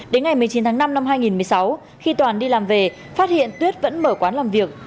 đến ngày một mươi chín tháng năm năm hai nghìn một mươi sáu khi toàn đi làm về phát hiện tuyết vẫn mở quán làm việc